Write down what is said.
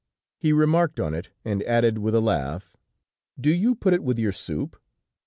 He remarked on it, and added with a laugh: "Do you put it with your soup?"